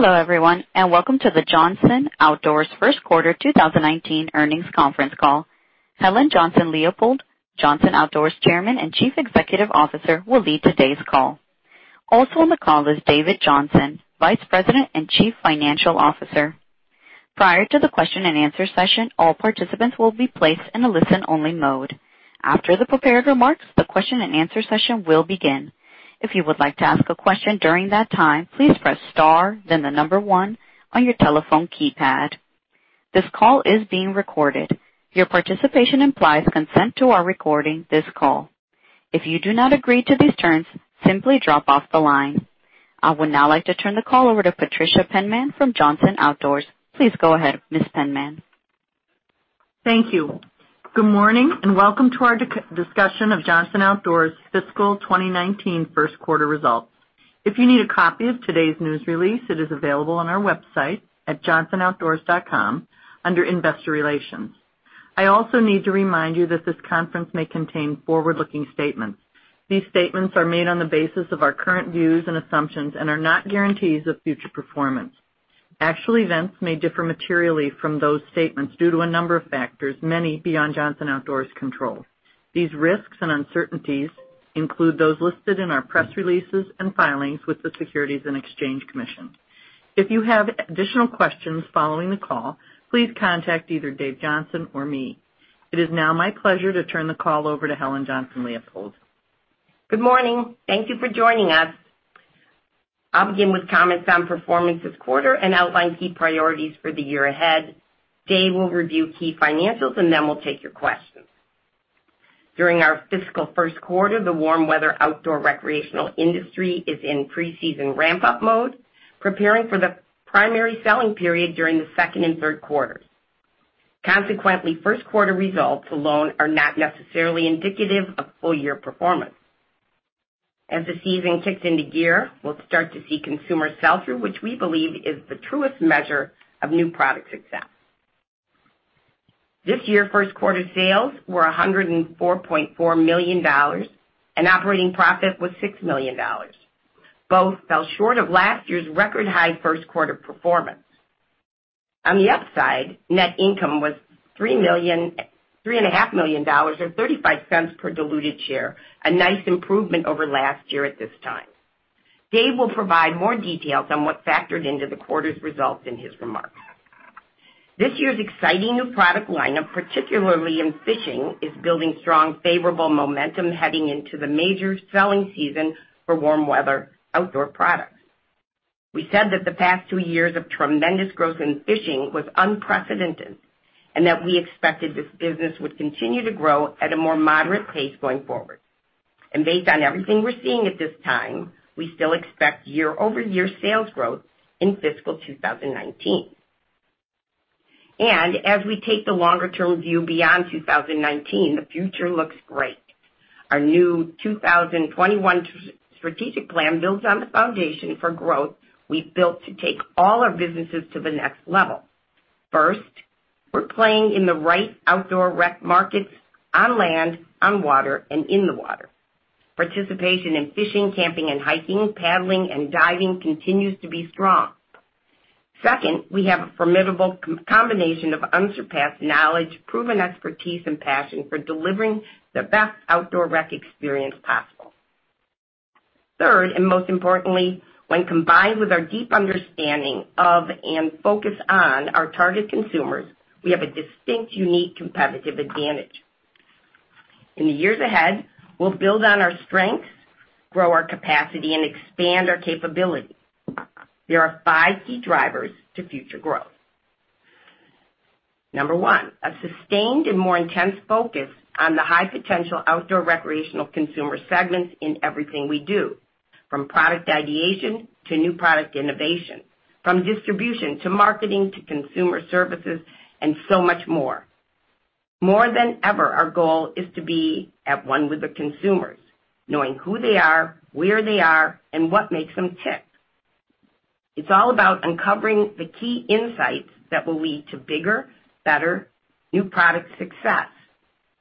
Hello, everyone, welcome to the Johnson Outdoors First Quarter 2019 Earnings Conference Call. Helen Johnson-Leipold, Johnson Outdoors Chairman and Chief Executive Officer, will lead today's call. Also on the call is David Johnson, Vice President and Chief Financial Officer. Prior to the question and answer session, all participants will be placed in a listen-only mode. After the prepared remarks, the question and answer session will begin. If you would like to ask a question during that time, please press star then the number 1 on your telephone keypad. This call is being recorded. Your participation implies consent to our recording this call. If you do not agree to these terms, simply drop off the line. I would now like to turn the call over to Patricia Penman from Johnson Outdoors. Please go ahead, Ms. Penman. Thank you. Good morning and welcome to our discussion of Johnson Outdoors' Fiscal 2019 First Quarter Results. If you need a copy of today's news release, it is available on our website at johnsonoutdoors.com under Investor Relations. I also need to remind you that this conference may contain forward-looking statements. These statements are made on the basis of our current views and assumptions and are not guarantees of future performance. Actual events may differ materially from those statements due to a number of factors, many beyond Johnson Outdoors' control. These risks and uncertainties include those listed in our press releases and filings with the Securities and Exchange Commission. If you have additional questions following the call, please contact either Dave Johnson or me. It is now my pleasure to turn the call over to Helen Johnson-Leipold. Good morning. Thank you for joining us. I'll begin with comments on performance this quarter and outline key priorities for the year ahead. Dave will review key financials. Then we'll take your questions. During our fiscal first quarter, the warm weather outdoor recreational industry is in pre-season ramp-up mode, preparing for the primary selling period during the second and third quarters. Consequently, first quarter results alone are not necessarily indicative of full year performance. This year, first quarter sales were $104.4 million. Operating profit was $6 million. Both fell short of last year's record-high first quarter performance. On the upside, net income was $3.5 million, or $0.35 per diluted share, a nice improvement over last year at this time. Dave will provide more details on what factored into the quarter's results in his remarks. This year's exciting new product lineup, particularly in fishing, is building strong, favorable momentum heading into the major selling season for warm weather outdoor products. We said that the past two years of tremendous growth in fishing was unprecedented, that we expected this business would continue to grow at a more moderate pace going forward. Based on everything we're seeing at this time, we still expect year-over-year sales growth in fiscal 2019. As we take the longer-term view beyond 2019, the future looks great. Our new 2021 strategic plan builds on the foundation for growth we've built to take all our businesses to the next level. First, we're playing in the right outdoor rec markets on land, on water, and in the water. Participation in fishing, camping, and hiking, paddling, and diving continues to be strong. Second, we have a formidable combination of unsurpassed knowledge, proven expertise, and passion for delivering the best outdoor rec experience possible. Third, most importantly, when combined with our deep understanding of and focus on our target consumers, we have a distinct, unique competitive advantage. In the years ahead, we'll build on our strengths, grow our capacity, and expand our capability. There are five key drivers to future growth. Number one, a sustained and more intense focus on the high-potential outdoor recreational consumer segments in everything we do, from product ideation to new product innovation, from distribution to marketing to consumer services and so much more. More than ever, our goal is to be at one with the consumers, knowing who they are, where they are, and what makes them tick. It's all about uncovering the key insights that will lead to bigger, better new product success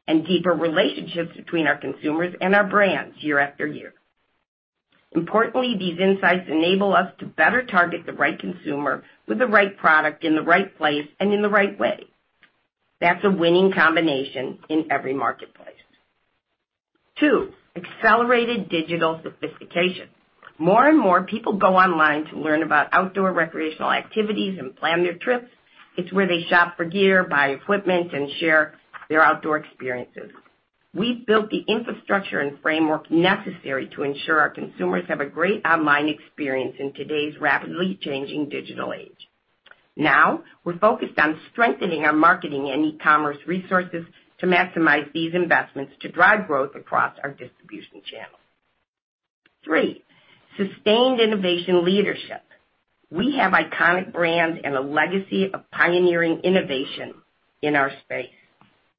and deeper relationships between our consumers and our brands year after year. Importantly, these insights enable us to better target the right consumer with the right product in the right place and in the right way. That's a winning combination in every marketplace. Two, accelerated digital sophistication. More and more people go online to learn about outdoor recreational activities and plan their trips. It's where they shop for gear, buy equipment, and share their outdoor experiences. We've built the infrastructure and framework necessary to ensure our consumers have a great online experience in today's rapidly changing digital age. Now, we're focused on strengthening our marketing and e-commerce resources to maximize these investments to drive growth across our distribution channels. Three, sustained innovation leadership. We have iconic brands and a legacy of pioneering innovation in our space.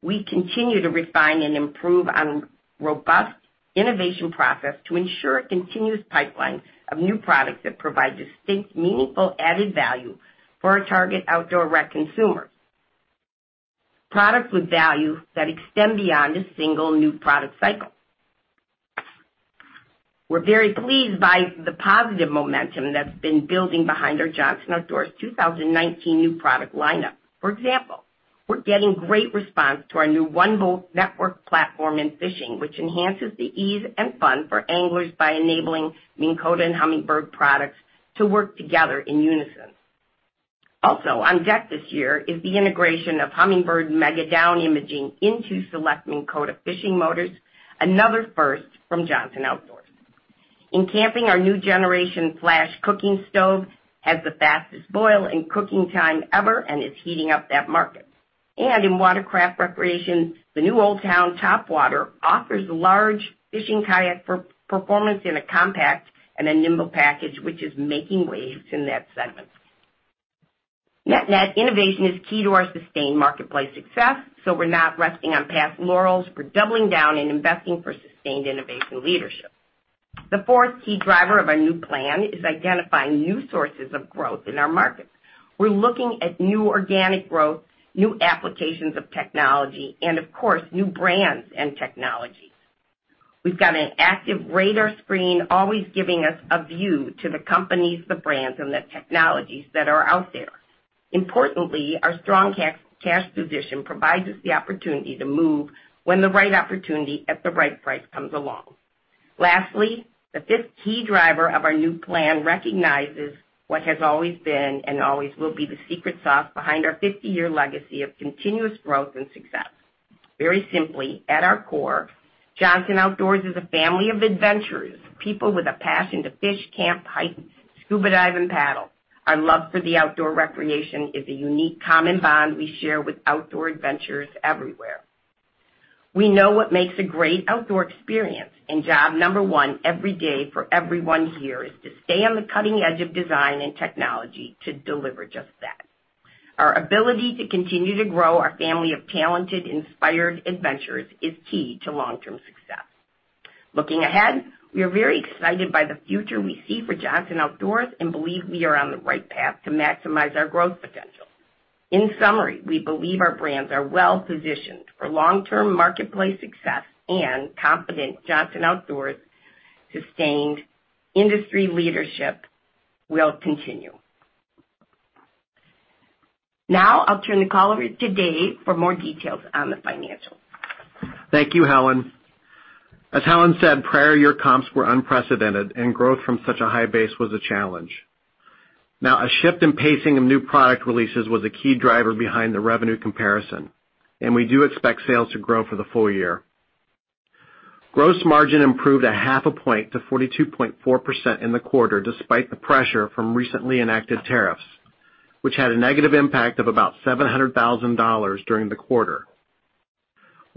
We continue to refine and improve on robust innovation process to ensure a continuous pipeline of new products that provide distinct, meaningful added value for our target outdoor rec consumer. Products with value that extend beyond a single new product cycle. We're very pleased by the positive momentum that's been building behind our Johnson Outdoors 2019 new product lineup. For example, we're getting great response to our new One-Boat Network platform in fishing, which enhances the ease and fun for anglers by enabling Minn Kota and Humminbird products to work together in unison. Also on deck this year is the integration of Humminbird MEGA Down Imaging into select Minn Kota fishing motors, another first from Johnson Outdoors. In camping, our new generation Flash cooking stove has the fastest boil and cooking time ever and is heating up that market. In watercraft recreation, the new Old Town Topwater offers large fishing kayak performance in a compact and a nimble package, which is making waves in that segment. Net-net, innovation is key to our sustained marketplace success, so we're not resting on past laurels. We're doubling down and investing for sustained innovation leadership. The fourth key driver of our new plan is identifying new sources of growth in our markets. We're looking at new organic growth, new applications of technology, and of course, new brands and technologies. We've got an active radar screen always giving us a view to the companies, the brands, and the technologies that are out there. Importantly, our strong cash position provides us the opportunity to move when the right opportunity at the right price comes along. Lastly, the fifth key driver of our new plan recognizes what has always been and always will be the secret sauce behind our 50-year legacy of continuous growth and success. Very simply, at our core, Johnson Outdoors is a family of adventurers, people with a passion to fish, camp, hike, scuba dive, and paddle. Our love for outdoor recreation is a unique common bond we share with outdoor adventurers everywhere. We know what makes a great outdoor experience, and job number one every day for everyone here is to stay on the cutting edge of design and technology to deliver just that. Our ability to continue to grow our family of talented, inspired adventurers is key to long-term success. Looking ahead, we are very excited by the future we see for Johnson Outdoors and believe we are on the right path to maximize our growth potential. In summary, we believe our brands are well-positioned for long-term marketplace success and confident Johnson Outdoors' sustained industry leadership will continue. Now, I'll turn the call over to Dave for more details on the financials. Thank you, Helen. As Helen said, prior year comps were unprecedented, and growth from such a high base was a challenge. A shift in pacing of new product releases was a key driver behind the revenue comparison, and we do expect sales to grow for the full year. Gross margin improved a half a point to 42.4% in the quarter, despite the pressure from recently enacted tariffs, which had a negative impact of about $700,000 during the quarter.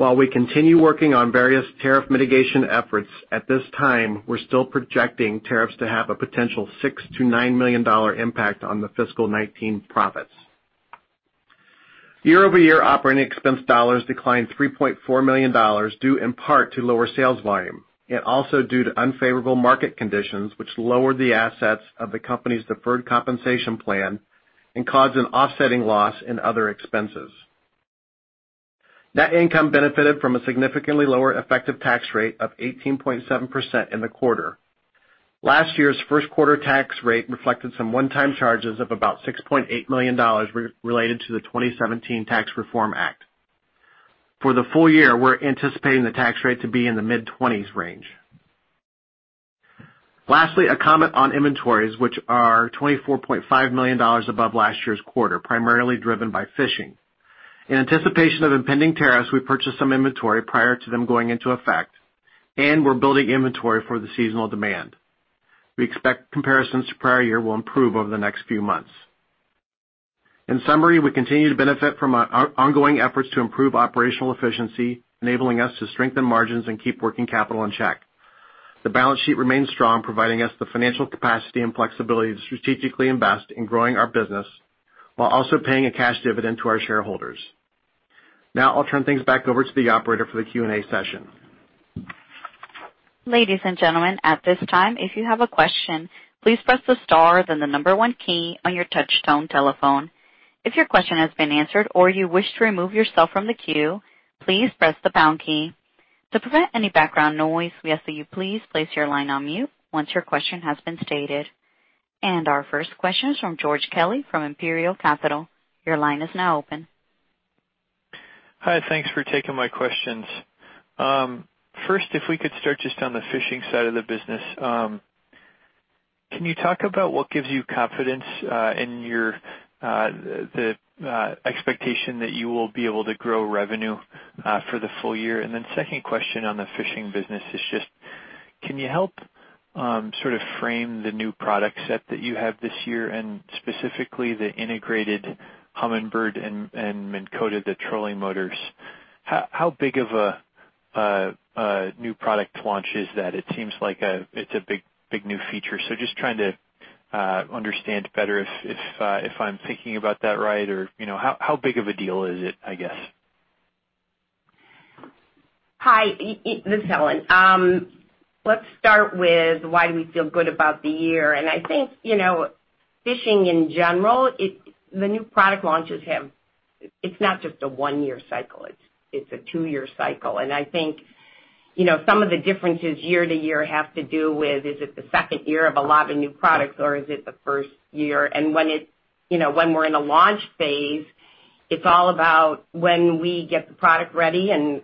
While we continue working on various tariff mitigation efforts, at this time, we're still projecting tariffs to have a potential $6 million-$9 million impact on the fiscal 2019 profits. Year-over-year operating expense dollars declined $3.4 million, due in part to lower sales volume, and also due to unfavorable market conditions, which lowered the assets of the company's deferred compensation plan and caused an offsetting loss in other expenses. Net income benefited from a significantly lower effective tax rate of 18.7% in the quarter. Last year's first quarter tax rate reflected some one-time charges of about $6.8 million related to the 2017 Tax Reform Act. For the full year, we're anticipating the tax rate to be in the mid-20s range. Lastly, a comment on inventories, which are $24.5 million above last year's quarter, primarily driven by fishing. In anticipation of impending tariffs, we purchased some inventory prior to them going into effect, and we're building inventory for the seasonal demand. We expect comparisons to prior year will improve over the next few months. In summary, we continue to benefit from our ongoing efforts to improve operational efficiency, enabling us to strengthen margins and keep working capital in check. The balance sheet remains strong, providing us the financial capacity and flexibility to strategically invest in growing our business while also paying a cash dividend to our shareholders. I'll turn things back over to the operator for the Q&A session. Ladies and gentlemen, at this time, if you have a question, please press the star, then the number one key on your touchtone telephone. If your question has been answered or you wish to remove yourself from the queue, please press the pound key. To prevent any background noise, we ask that you please place your line on mute once your question has been stated. Our first question is from George Kelly from Imperial Capital. Your line is now open. Hi. Thanks for taking my questions. First, if we could start just on the fishing side of the business. Can you talk about what gives you confidence in the expectation that you will be able to grow revenue for the full year? Second question on the fishing business is just, can you help frame the new product set that you have this year and specifically the integrated Humminbird and Minn Kota, the trolling motors? How big of a new product launch is that? It seems like it's a big, new feature. Just trying to understand better if I'm thinking about that right or how big of a deal is it, I guess? Hi, this is Helen. Let's start with why do we feel good about the year, and I think fishing in general, the new product launches have-- it's not just a one-year cycle, it's a two-year cycle. I think some of the differences year to year have to do with, is it the second year of a lot of new products, or is it the first year? When we're in the launch phase, it's all about when we get the product ready and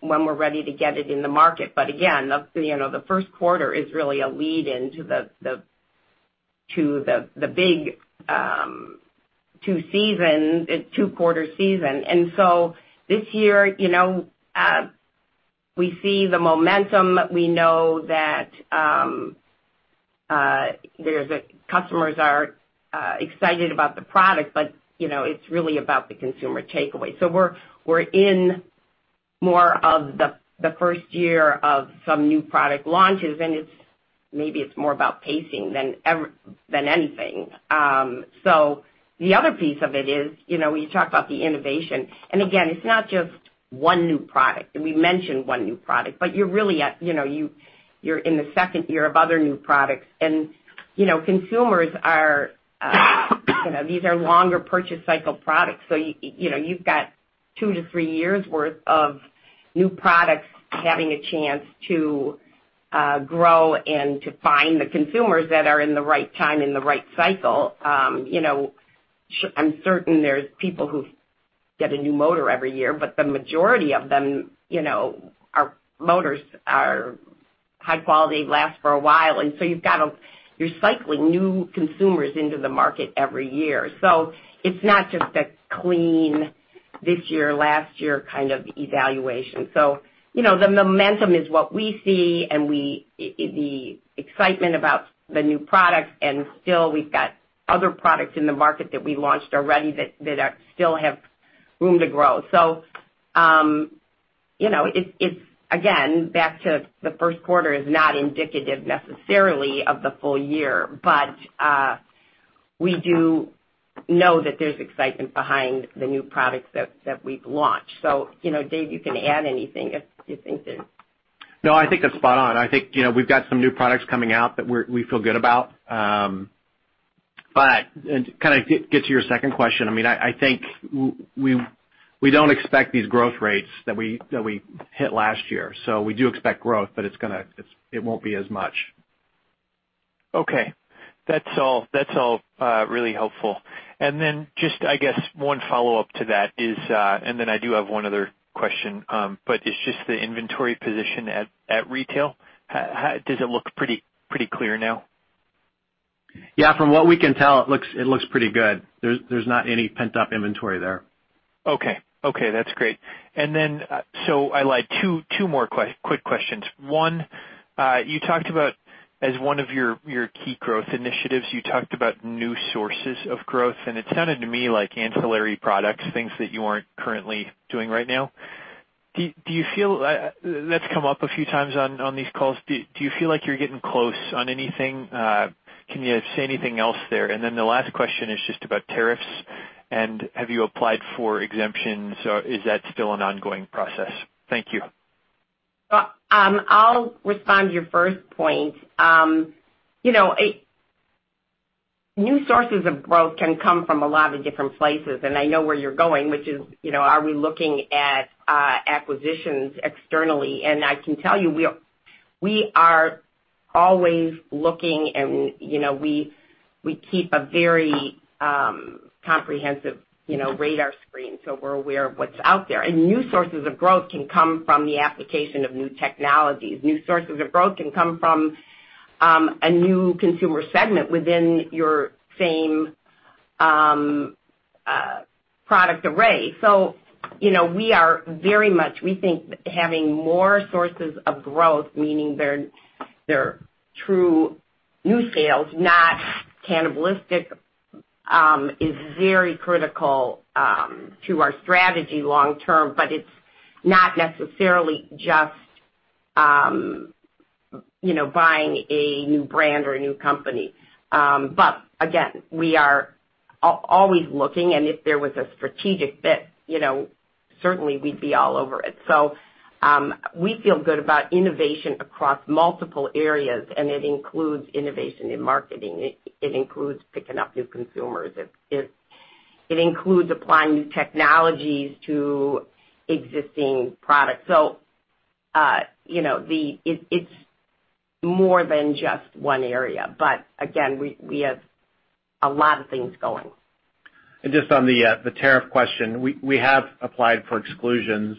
when we're ready to get it in the market. Again, the first quarter is really a lead into the big two-quarter season. This year, we see the momentum. We know that customers are excited about the product, it's really about the consumer takeaway. We're in more of the first year of some new product launches, and maybe it's more about pacing than anything. The other piece of it is, when you talk about the innovation, and again, it's not just one new product, and we mentioned one new product, but you're in the second year of other new products, and these are longer purchase cycle products. You've got two to three years worth of new products having a chance to grow and to find the consumers that are in the right time and the right cycle. I'm certain there's people who get a new motor every year, but the majority of them, our motors are high quality, last for a while, and you're cycling new consumers into the market every year. It's not just a clean this year, last year kind of evaluation. The momentum is what we see and the excitement about the new products, and still we've got other products in the market that we launched already that still have room to grow. It's, again, back to the first quarter is not indicative necessarily of the full year, but we do know that there's excitement behind the new products that we've launched. Dave, you can add anything if you think there's- No, I think that's spot on. I think we've got some new products coming out that we feel good about. Kind of get to your second question. I think we don't expect these growth rates that we hit last year. We do expect growth, but it won't be as much. Okay. That's all really helpful. Just, I guess one follow-up to that is, I do have one other question, but it's just the inventory position at retail. Does it look pretty clear now? Yeah, from what we can tell, it looks pretty good. There's not any pent-up inventory there. Okay. That's great. I lied, two more quick questions. One, as one of your key growth initiatives, you talked about new sources of growth, and it sounded to me like ancillary products, things that you aren't currently doing right now. That's come up a few times on these calls. Do you feel like you're getting close on anything? Can you say anything else there? The last question is just about tariffs and have you applied for exemptions or is that still an ongoing process? Thank you. I'll respond to your first point. New sources of growth can come from a lot of different places, I know where you're going, which is, are we looking at acquisitions externally? I can tell you, we are always looking and we keep a very comprehensive radar screen so we're aware of what's out there. New sources of growth can come from the application of new technologies. New sources of growth can come from a new consumer segment within your same product array. We think having more sources of growth, meaning they're true new sales, not cannibalistic, is very critical to our strategy long term, it's not necessarily just buying a new brand or a new company. Again, we are always looking, and if there was a strategic fit, certainly we'd be all over it. We feel good about innovation across multiple areas, it includes innovation in marketing. It includes picking up new consumers. It includes applying new technologies to existing products. It's more than just one area. Again, we have a lot of things going. Just on the tariff question, we have applied for exclusions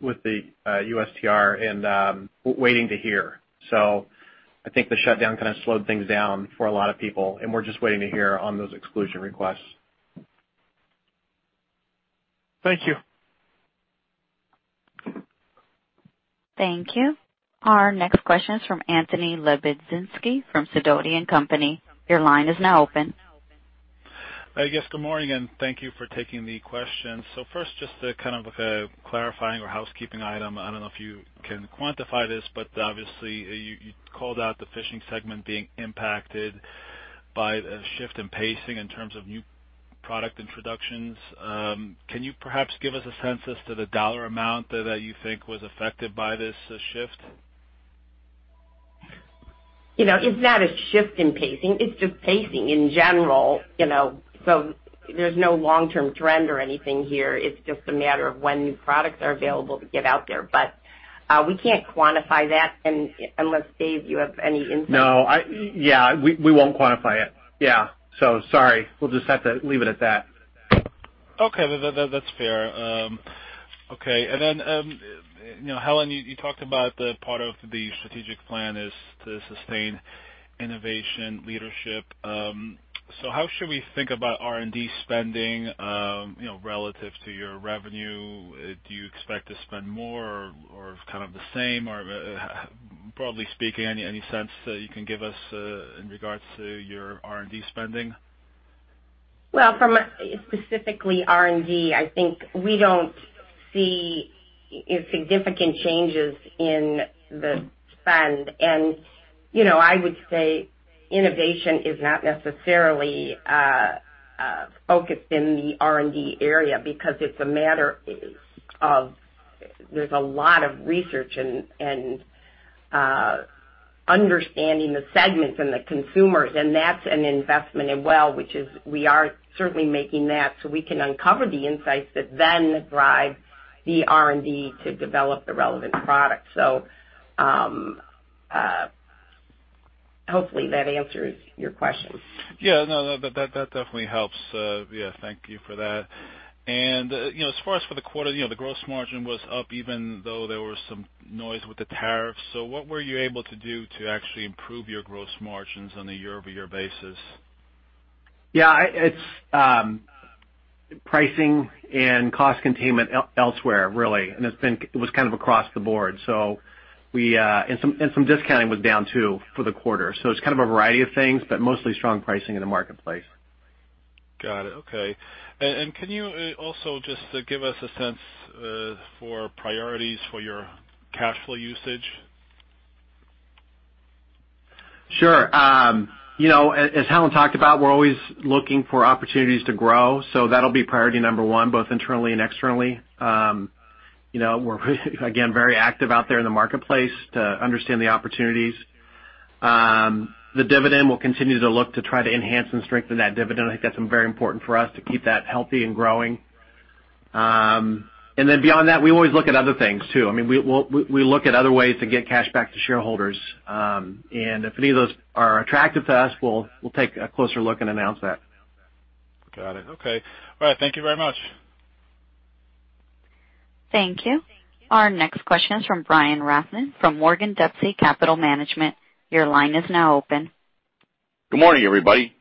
with the USTR and waiting to hear. I think the shutdown kind of slowed things down for a lot of people, and we're just waiting to hear on those exclusion requests. Thank you. Thank you. Our next question is from Anthony Lebiedzinski from Sidoti & Company. Your line is now open. Good morning, thank you for taking the question. First, just kind of like a clarifying or housekeeping item. I don't know if you can quantify this, but obviously you called out the fishing segment being impacted by the shift in pacing in terms of new product introductions. Can you perhaps give us a sense to the dollar amount that you think was affected by this shift? It's not a shift in pacing, it's just pacing in general. There's no long-term trend or anything here. It's just a matter of when new products are available to get out there. We can't quantify that, unless, Dave, you have any insights. No. We won't quantify it. Yeah. Sorry. We'll just have to leave it at that. Okay. That's fair. Okay. Then, Helen, you talked about the part of the strategic plan is to sustain innovation leadership. How should we think about R&D spending relative to your revenue? Do you expect to spend more or kind of the same, or broadly speaking, any sense that you can give us in regards to your R&D spending? Well, from specifically R&D, I think we don't see significant changes in the spend. I would say innovation is not necessarily focused in the R&D area because it's a matter of there's a lot of research and understanding the segments and the consumers, and that's an investment as well, which we are certainly making that so we can uncover the insights that then drive the R&D to develop the relevant product. Hopefully that answers your question. No. That definitely helps. Thank you for that. As far as for the quarter, the gross margin was up, even though there was some noise with the tariffs. What were you able to do to actually improve your gross margins on a year-over-year basis? It's pricing and cost containment elsewhere, really. It was kind of across the board. Some discounting was down, too, for the quarter. It's kind of a variety of things, but mostly strong pricing in the marketplace. Got it. Okay. Can you also just give us a sense for priorities for your cash flow usage? Sure. As Helen talked about, we're always looking for opportunities to grow. That'll be priority number one, both internally and externally. We're again, very active out there in the marketplace to understand the opportunities. The dividend, we'll continue to look to try to enhance and strengthen that dividend. I think that's very important for us to keep that healthy and growing. Beyond that, we always look at other things, too. I mean, we look at other ways to get cash back to shareholders. If any of those are attractive to us, we'll take a closer look and announce that. Got it. Okay. All right. Thank you very much. Thank you. Our next question is from Brian Rafn from Morgan Dempsey Capital Management. Your line is now open. Good morning, everybody.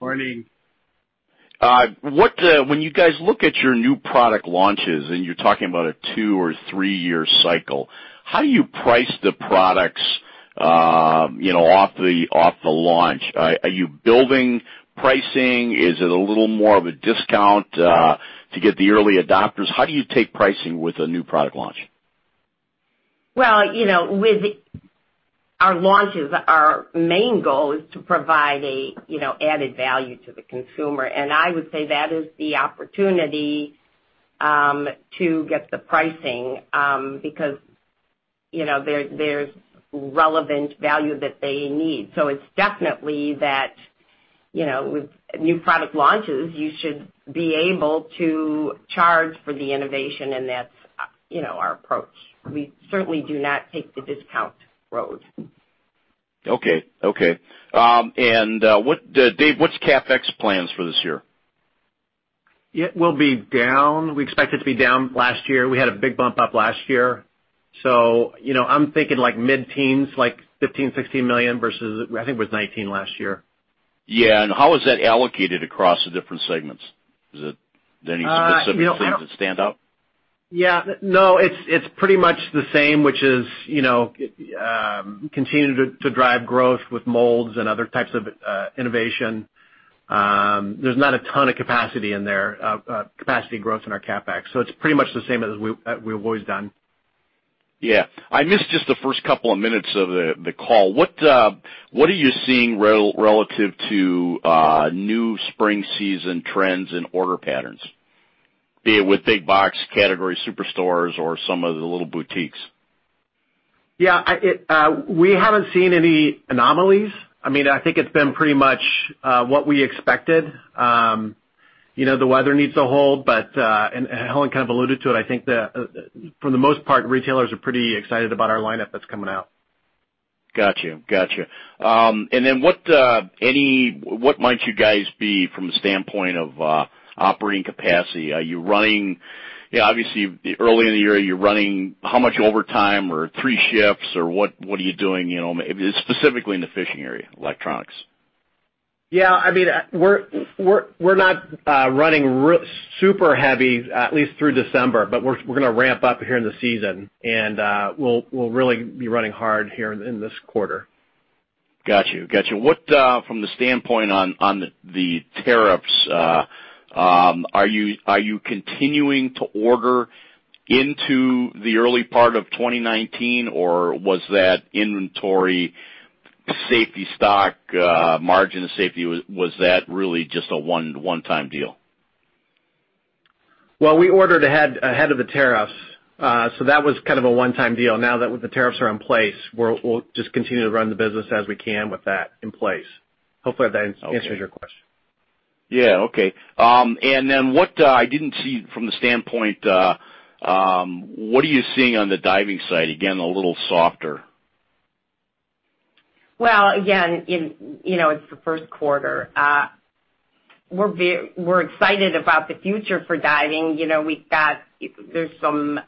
Morning. When you guys look at your new product launches, you're talking about a two or three-year cycle, how do you price the products off the launch? Are you building pricing? Is it a little more of a discount to get the early adopters? How do you take pricing with a new product launch? Well, with our launches, our main goal is to provide added value to the consumer, and I would say that is the opportunity to get the pricing, because there's relevant value that they need. It's definitely that with new product launches, you should be able to charge for the innovation, and that's our approach. We certainly do not take the discount road. Okay. Dave, what's CapEx plans for this year? It will be down. We expect it to be down last year. We had a big bump up last year. I'm thinking like mid-teens, like $15 million, $16 million versus, I think it was $19 last year. Yeah. How is that allocated across the different segments? Is it any specific things that stand out? No, it's pretty much the same, which is continue to drive growth with molds and other types of innovation. There's not a ton of capacity growth in our CapEx, it's pretty much the same as we've always done. I missed just the first couple of minutes of the call. What are you seeing relative to new spring season trends and order patterns, be it with big box category superstores or some of the little boutiques? We haven't seen any anomalies. I think it's been pretty much what we expected. The weather needs to hold, Helen kind of alluded to it. I think that for the most part, retailers are pretty excited about our lineup that's coming out. Got you. What might you guys be from the standpoint of operating capacity? Obviously, early in the year, you're running how much overtime or three shifts or what are you doing specifically in the fishing area, electronics? Yeah. We're not running super heavy, at least through December, but we're going to ramp up here in the season, and we'll really be running hard here in this quarter. Got you. From the standpoint on the tariffs, are you continuing to order into the early part of 2019, or was that inventory safety stock, margin of safety, was that really just a one-time deal? Well, we ordered ahead of the tariffs, so that was kind of a one-time deal. Now that the tariffs are in place, we'll just continue to run the business as we can with that in place. Hopefully I've answered your question. Yeah. Okay. I didn't see from the standpoint, what are you seeing on the diving side? Again, a little softer. Again, it's the first quarter. We're excited about the future for diving. There's some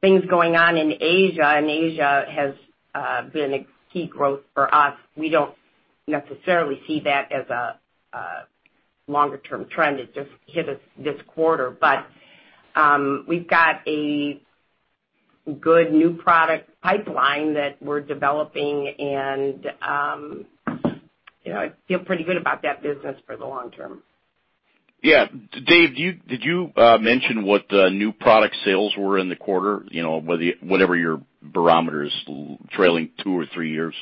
things going on in Asia, and Asia has been a key growth for us. We don't necessarily see that as a longer-term trend. It just hit us this quarter. We've got a good new product pipeline that we're developing, and I feel pretty good about that business for the long term. Dave, did you mention what the new product sales were in the quarter? Whatever your barometer is, trailing two or three years.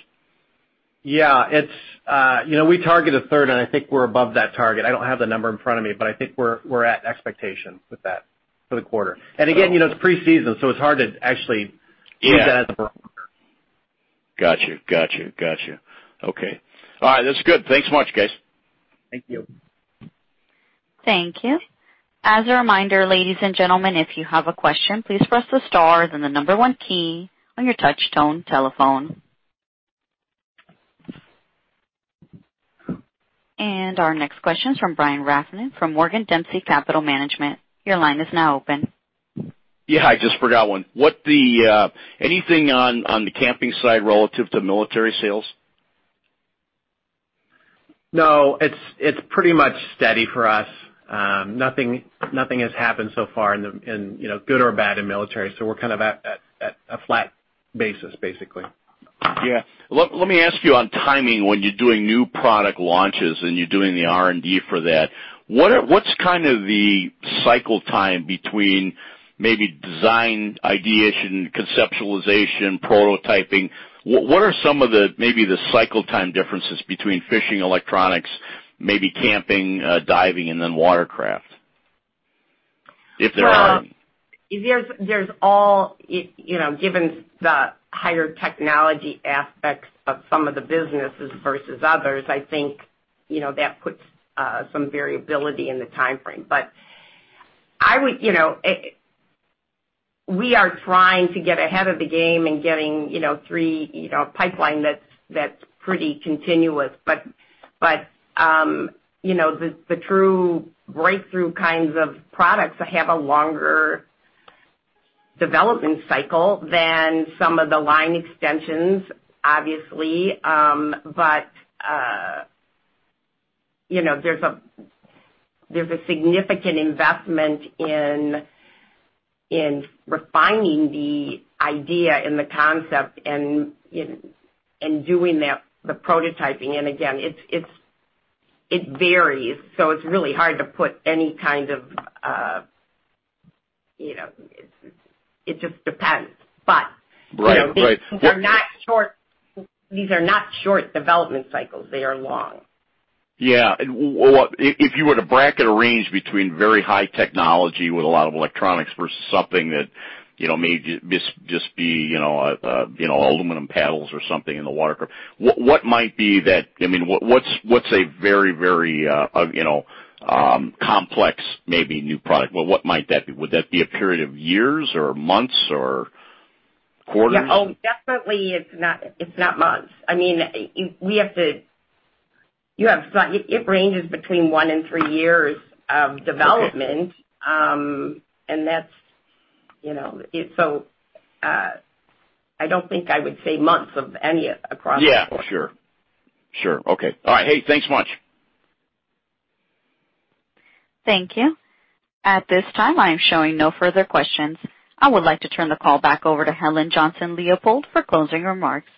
We target a third, and I think we're above that target. I don't have the number in front of me, but I think we're at expectation with that for the quarter. Again, it's pre-season, so it's hard to actually- Yeah look at it as a barometer. Got you. Okay. All right. That's good. Thanks so much, guys. Thank you. Thank you. As a reminder, ladies and gentlemen, if you have a question, please press the star then the number 1 key on your touch tone telephone. Our next question is from Brian Rafn from Morgan Dempsey Capital Management. Your line is now open. Yeah, I just forgot one. Anything on the camping side relative to military sales? No, it's pretty much steady for us. Nothing has happened so far, good or bad in military, we're kind of at a flat basis, basically. Yeah. Let me ask you on timing when you're doing new product launches and you're doing the R&D for that, what's kind of the cycle time between maybe design, ideation, conceptualization, prototyping? What are some of the, maybe the cycle time differences between fishing electronics, maybe camping, diving, and then watercraft? If there are any. Given the higher technology aspects of some of the businesses versus others, I think, that puts some variability in the timeframe. We are trying to get ahead of the game and getting a pipeline that's pretty continuous. The true breakthrough kinds of products have a longer development cycle than some of the line extensions, obviously. There's a significant investment in refining the idea and the concept and doing the prototyping. Again, it varies, it's really hard to put any kind of It just depends. Right These are not short development cycles. They are long. Yeah. If you were to bracket a range between very high technology with a lot of electronics versus something that may just be aluminum paddles or something in the watercraft, what's a very complex, maybe new product? What might that be? Would that be a period of years or months or quarters? Oh, definitely it's not months. It ranges between one and three years of development. Okay. I don't think I would say months of any across the board. Yeah, sure. Okay. All right. Hey, thanks much. Thank you. At this time, I am showing no further questions. I would like to turn the call back over to Helen Johnson-Leipold for closing remarks.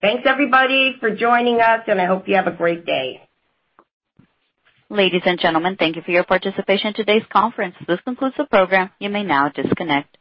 Thanks everybody for joining us, and I hope you have a great day. Ladies and gentlemen, thank you for your participation in today's conference. This concludes the program. You may now disconnect.